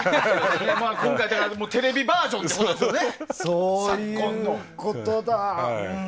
今回、テレビバージョンということですよね、昨今の。